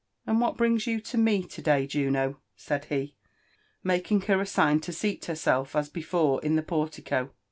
"And what brings you to me to day, Juno ?" said he, making her a sign to seat herself as before in the portico.